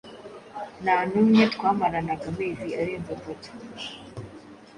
nta n’umwe twamaranaga amezi arenze atatu